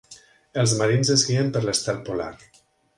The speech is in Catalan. Els marins es guien per l'estel polar.